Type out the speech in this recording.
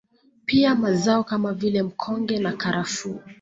Pia mazao kama vile mkonge na karafuu